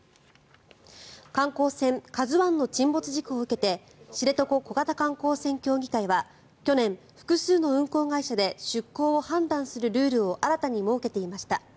観光船「ＫＡＺＵ１」の沈没事故を受けて知床小型観光船協議会は去年、複数の運航会社で出航を判断するルールを新たに設けていました。